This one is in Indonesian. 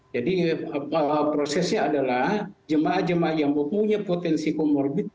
jadi prosesnya adalah jemaah jemaah yang mempunyai potensi comorbid